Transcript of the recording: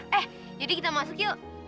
eh jadi kita masuk yuk